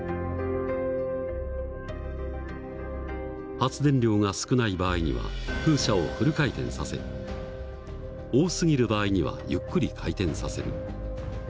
発電量が少ない場合には風車をフル回転させ多すぎる場合にはゆっくり回転させる。